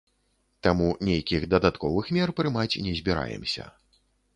Таму нейкіх дадатковых мер прымаць не збіраемся.